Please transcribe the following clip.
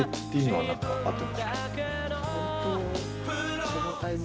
はい。